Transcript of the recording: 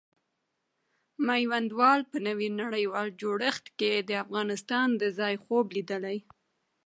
میوندوال په نوي نړیوال جوړښت کې د افغانستان د ځای خوب لیدلی.